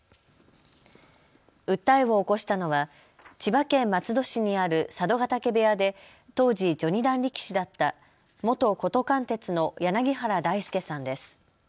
訴えを起こしたのは千葉県松戸市にある佐渡ヶ嶽部屋で当時、序二段力士だった元琴貫鐵の柳原大将さんです。